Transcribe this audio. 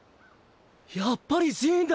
やっぱりジーンだ！